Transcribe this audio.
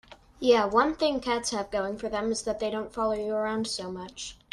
Yeah, one thing cats have going for them is that they don't follow you around so much.